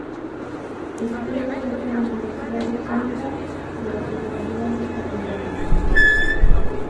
Estudió Derecho en la Universidad de Coimbra, de la que llegaría a ser catedrático.